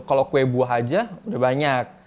kalau kue buah aja udah banyak